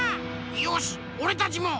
よしおれたちも！